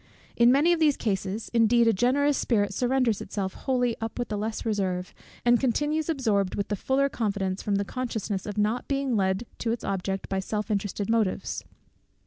In many of these cases indeed a generous spirit surrenders itself wholly up with the less reserve, and continues absorbed with the fuller confidence, from the consciousness of not being led to its object by self interested motives.